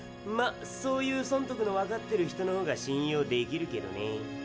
まそういう損得のわかってる人の方が信用できるけどね。